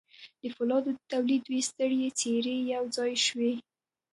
د پولادو د تولید دوې سترې څېرې یو ځای شوې